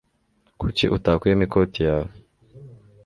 Kuki utakuyemo ikoti yawe?